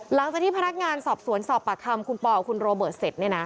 หลังจากที่พนักงานสอบสวนสอบปากคำคุณป่อคุณโรเบิร์ตเสร็จ